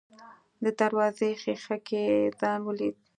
د دروازې ښيښه کې يې ځان وليد.